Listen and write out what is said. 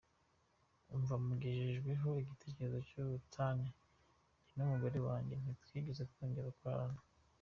Kuva mugejejeho igitekerezo cy’ubutane, jye n’umugore wanjye ntitwigeze twongera kurarana.